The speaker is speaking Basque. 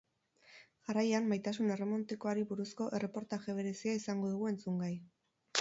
Jarraian, maitasun erromantikoari buruzko erreportaje berezia izango dugu entzungai.